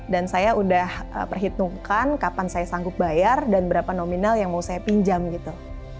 dan saya sudah perhitungkan kapan saya sanggup bayar dan berapa nominal yang mau saya pinjam gitu